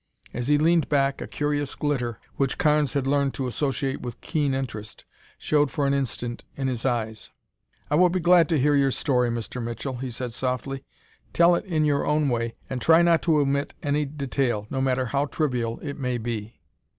As he leaned back a curious glitter, which Carnes had learned to associate with keen interest, showed for an instant in his eyes. "I will be glad to hear your story, Mr. Mitchell," he said softly. "Tell it in your own way and try not to omit any detail, no matter how trivial it may be."